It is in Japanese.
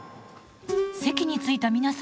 席についた皆さん